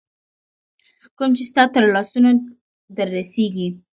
کوم چي ستا تر لاسونو در رسیږي